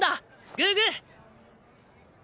グーグー！